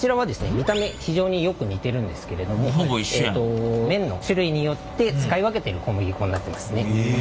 見た目非常によく似てるんですけれどもえと麺の種類によって使い分けてる小麦粉になってますね。